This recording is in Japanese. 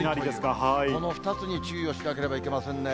この２つに注意をしなければいけませんね。